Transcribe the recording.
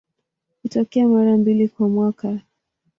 Hutokea mara mbili kwa mwaka.